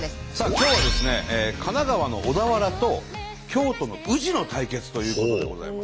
今日は神奈川の小田原と京都の宇治の対決ということでございます。